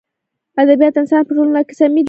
ادبیات انسان په ټولنه کښي صمیمي جوړوي.